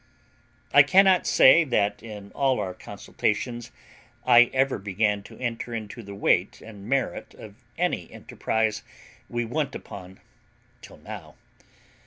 I cannot say that in all our consultations I ever began to enter into the weight and merit of any enterprise we went upon till now.